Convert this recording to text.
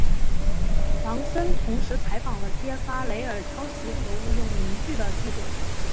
朗森同时采访了揭发雷尔抄袭和误用名句的记者。